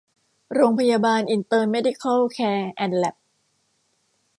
โรงพยาบาลอินเตอร์เมดิคัล แคร์ แอนด์ แล็บ